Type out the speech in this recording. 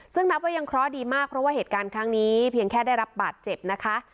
ซึ่งนับว่ายังเคราะห์ดีมากเพราะว่าเหตุการณ์ครั้งนี้เพียงแค่ได้รับบาดเจ็บนะคะ